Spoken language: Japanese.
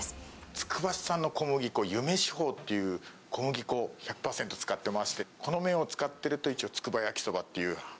つくば市産の小麦粉、ユメシホウっていう小麦粉１００％使ってまして、この麺を使ってると、一応、つくば焼きそばっていう。